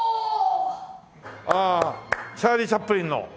ああチャーリー・チャップリンの。